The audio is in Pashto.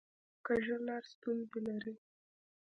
کوږه لار ستونزې لري